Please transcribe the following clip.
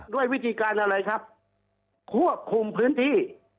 ด้วยวิธีการอะไรครับควบคุมพื้นที่